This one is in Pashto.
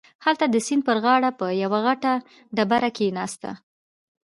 هلته د سيند پر غاړه په يوه غټه ډبره کښېناسته.